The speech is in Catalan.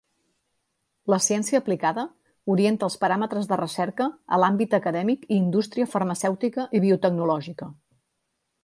La Ciència aplicada orienta els paràmetres de recerca a l'àmbit acadèmic i indústria farmacèutica i biotecnològica.